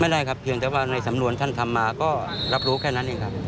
ไม่ได้ครับเพียงแต่ว่าในสำนวนท่านทำมาก็รับรู้แค่นั้นเองครับ